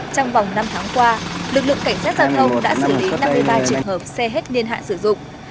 trong vòng năm tháng qua lực lượng cảnh sát giao thông đã xử lý năm mươi ba trường hợp xe hết niên hạn sử dụng